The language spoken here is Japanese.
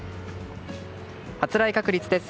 発雷確率です。